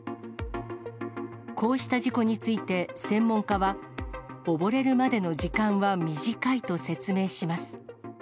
こうした事故について、専門家は、溺れるまでの時間は短いと説明します。